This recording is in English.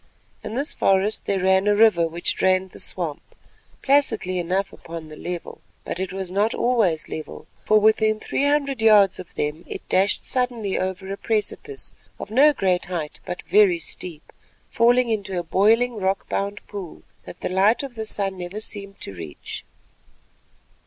Into this forest there ran a river which drained the swamp, placidly enough upon the level. But it was not always level, for within three hundred yards of them it dashed suddenly over a precipice, of no great height but very steep, falling into a boiling rock bound pool that the light of the sun never seemed to reach.